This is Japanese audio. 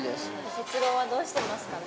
哲朗はどうしてますかね？